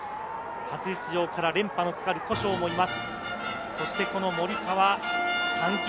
初出場から連覇のかかる古性もいます。